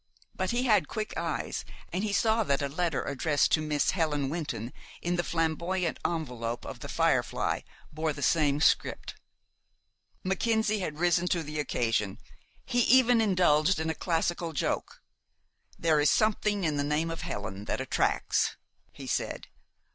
But he had quick eyes, and he saw that a letter addressed to Miss Helen Wynton, in the flamboyant envelope of "The Firefly," bore the same script. Mackenzie had risen to the occasion. He even indulged in a classical joke. "There is something in the name of Helen that attracts," he said.